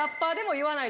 言わない？